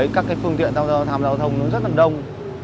các cái phương tiện tham giao thông nó rất là đông